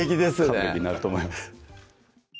完璧になると思います